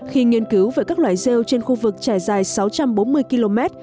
khi nghiên cứu về các loại rêu trên khu vực trải dài sáu trăm bốn mươi km